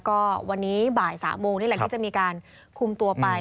ก็วันนี้บ่าย๓โมงนี่แหละที่จะมีการคุมตัวไป